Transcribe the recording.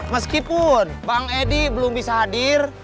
meskipun bang edi belum bisa hadir